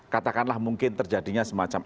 katakanlah mungkin terjadinya semacam